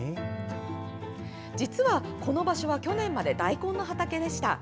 実は、この場所は去年まで大根の畑でした。